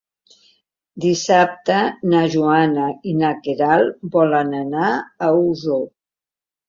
Dissabte na Joana i na Queralt volen anar a Osor.